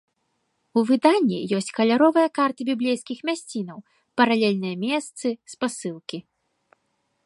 У выданні ёсць каляровыя карты біблейскіх мясцінаў, паралельныя месцы, спасылкі.